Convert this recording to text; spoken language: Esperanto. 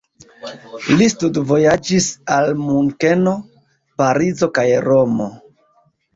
Li studvojaĝis al Munkeno, Parizo kaj Romo.